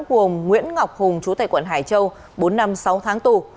gồm nguyễn ngọc hùng chủ tịch quận hải châu bốn năm sáu tháng tù